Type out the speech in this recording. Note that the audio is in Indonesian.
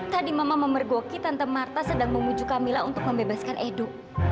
tadi mama memergoki tante marta sedang memuju kamila untuk membebaskan edo